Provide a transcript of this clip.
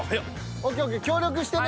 ＯＫＯＫ協力してね。